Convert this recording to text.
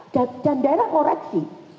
dan daerah koreksi